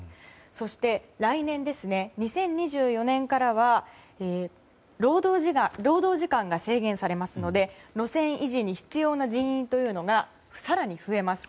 そして、来年２０２４年からは労働時間が制限されますので路線維持に必要な人員が更に増えます。